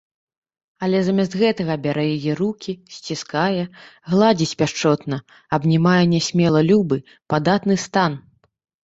Але замест гэтага бярэ яе рукі, сціскае, гладзіць пяшчотна, абнімае нясмела любы, падатны стан.